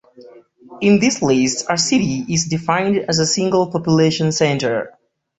In this list, a city is defined as a single population center.